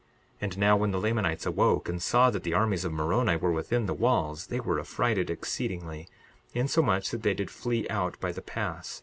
62:24 And now, when the Lamanites awoke and saw that the armies of Moroni were within the walls, they were affrighted exceedingly, insomuch that they did flee out by the pass.